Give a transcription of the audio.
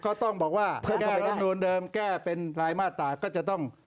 ก็ต้องบอกว่าแก้รับโน้นเดิมแก้เป็นรายมาตราก็จะต้อง